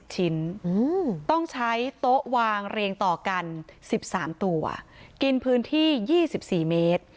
ชิ้นต้องใช้โต๊ะวางเรียงต่อกัน๑๓ตัวกินพื้นที่๒๔เมตร